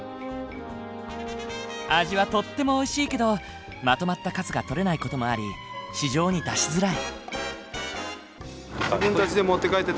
味はとってもおいしいけどまとまった数が取れない事もあり市場に出しづらい。